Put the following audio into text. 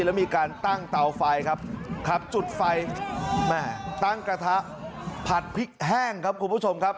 แล้วมีการตั้งเตาไฟครับขับจุดไฟแม่ตั้งกระทะผัดพริกแห้งครับคุณผู้ชมครับ